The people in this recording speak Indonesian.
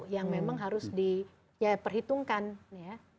yang memang harus diperhitungkan ya